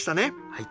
はい。